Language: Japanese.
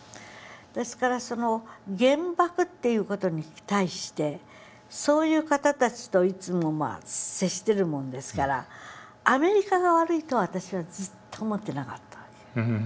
ですから原爆っていう事に対してそういう方たちといつも接してるもんですから「アメリカが悪い」とは私はずっと思ってなかったわけ。